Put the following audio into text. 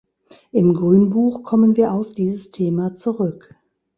Im Grünbuch kommen wir auf dieses Thema zurück.